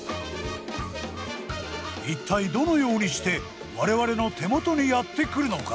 一体どのようにして我々の手元にやって来るのか？